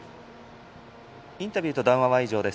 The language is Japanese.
インタビューと談話は以上です。